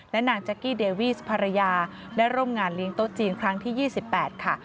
นางแจ๊กกี้เดวีสภรรยาได้ร่วมงานเลี้ยงโต๊ะจีนครั้งที่๒๘ค่ะ